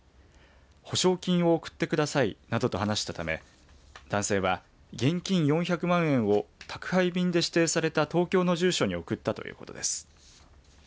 保証金を送ってくださいなどと話したため男性は現金４００万円を宅配便で指定された東京の住所に送ったということです。